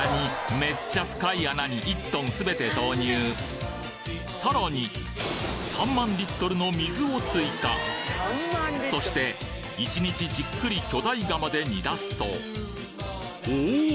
めっちゃ深い穴に１トンすべて投入さらに３万リットルの水を追加そして１日じっくり巨大釜で煮出すとおおっ！